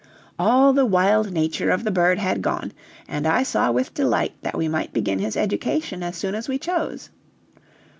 All the wild nature of the bird had gone, and I saw with delight that we might begin his education as soon as we chose.